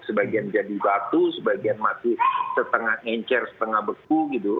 sebagian jadi batu sebagian masih setengah encer setengah beku gitu